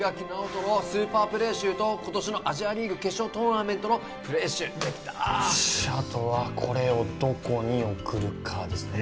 尚人のスーパープレー集と今年のアジアリーグ決勝トーナメントのプレー集できたあとはこれをどこに送るかですね